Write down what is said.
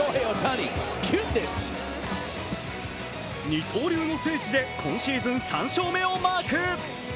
二刀流の聖地で今シーズン３勝目をマーク。